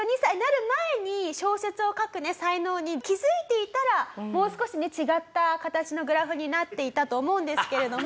小説を書く才能に気づいていたらもう少し違った形のグラフになっていたと思うんですけれども。